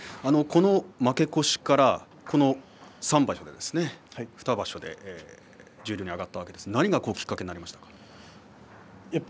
負け越しから２場所で十両に上がったわけですが何がきっかけでしたか？